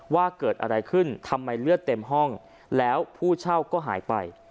ว่าเกิดอะไรขึ้นทำไมเลือดเต็มห้องแล้วผู้เช่าก็หายไป